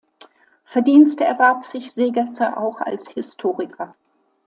Verdienste erwarb sich Segesser auch als Historiker.